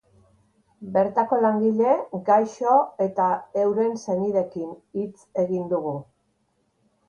Bertako langile, gaixo eta euren senideekin hitz egin dugu.